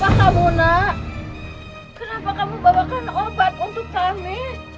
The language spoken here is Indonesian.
kenapa kamu bawa obat untuk kami